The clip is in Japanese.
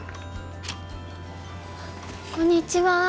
こんにちは。